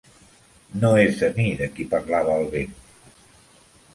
No és de mi de qui parlava el vent.